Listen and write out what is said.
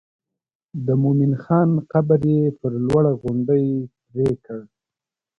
د مومن خان قبر یې پر لوړه غونډۍ پرېکړ.